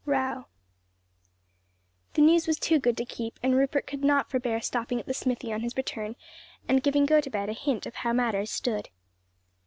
ROWE. THE news was too good to keep, and Rupert could not forbear stopping at the smithy on his return and giving Gotobed a hint of how matters stood.